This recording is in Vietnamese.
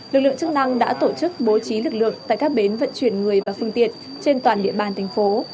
lực lượng chức năng đã tổ chức bố trí lực lượng tại các bến vận chuyển người và phương tiện trên toàn địa bàn thành phố